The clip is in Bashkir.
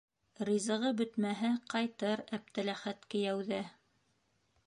Ризығы бөтмәһә, ҡайтыр Әптеләхәт кейәү ҙә.